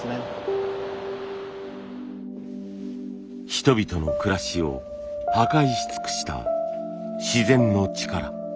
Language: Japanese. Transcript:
人々の暮らしを破壊し尽くした自然の力。